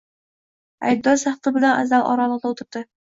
Aybdor sahna bilan zal oralig‘ida o‘tirdi.